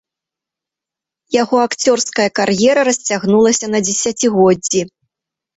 Яго акцёрская кар'ера расцягнулася на дзесяцігоддзі.